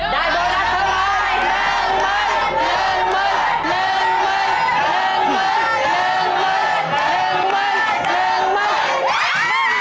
เงินเงินเงินเงิน